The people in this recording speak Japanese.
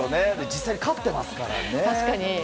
実際に勝ってますからね。